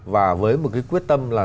và với một cái quyết tâm là